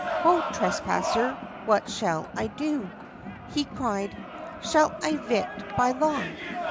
"Ho, trespasser, what shall I do?" He cried "Shall I evict by Law?